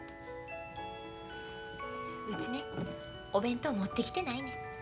うちねお弁当持ってきてないねん。